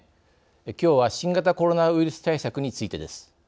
きょうは新型コロナウイルス対策についてです。